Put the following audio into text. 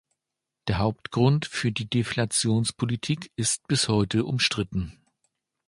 Der Hauptgrund für die Deflationspolitik ist bis heute umstritten.